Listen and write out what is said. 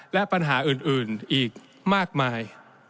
และปัญหาอื่นอีกมากมาย